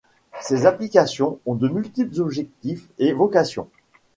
Ces applications ont de multiples objectifs et vocations.